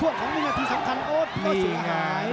หรือว่าผู้สุดท้ายมีสิงคลอยวิทยาหมูสะพานใหม่